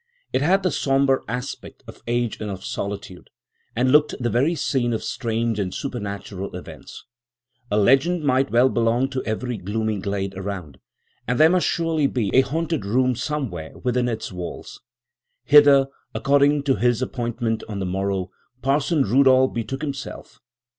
It had the sombre aspect of age and of solitude, and looked the very scene of strange and supernatural events. A legend might well belong to every gloomy glade around, and there must surely be a haunted room somewhere within its walls. Hither, according to his appointment, on the morrow, Parson Rudall betook himself.